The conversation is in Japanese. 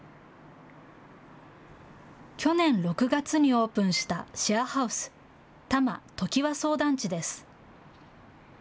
去年６月にオープンしたシェアハウス、多摩トキワソウ団地です。